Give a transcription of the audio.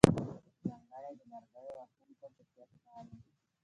ځانګړی د لرګیو وهونکو په څېر ښکارې.